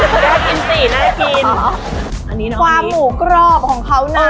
จริงน้อยก็ความหมูกรอบของเค้านะ